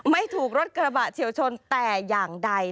ไม่ถูกรถกระบะเฉียวชนแต่อย่างใด